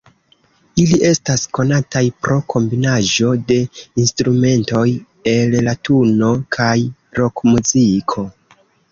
Ili estas konataj pro kombinaĵo de instrumentoj el latuno kaj rokmuziko.